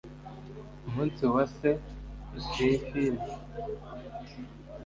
umunsi wa st swithins,